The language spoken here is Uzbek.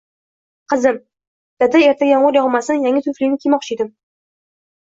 Qizim: dada ertaga yomgʻir yogʻmasin yangi tufligimni kiymoqchidim.